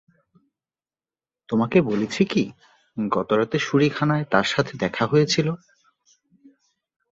তোমাকে বলেছি কি, গতরাতে শুঁড়িখানায় তার সাথে দেখা হয়েছিল?